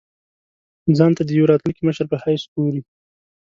ځان ته د یوه راتلونکي مشر په حیث ګوري.